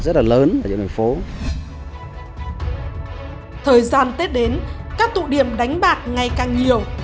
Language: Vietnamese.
thời gian tết đến các tụ điểm đánh bạc ngày càng nhiều